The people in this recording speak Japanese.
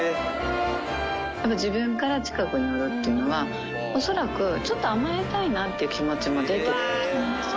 自分から近くに寄るっていうのは、恐らくちょっと甘えたいなっていう気持ちも出てきたんですよ。